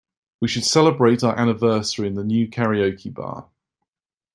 We should celebrate our anniversary in the new karaoke bar.